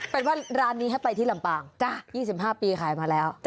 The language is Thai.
เป็นว่าร้านนี้ให้ไปที่ลำปาง๒๕ปีขายมาแล้ว